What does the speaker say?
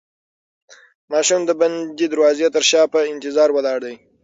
ماشوم د بندې دروازې تر شا په انتظار ولاړ دی.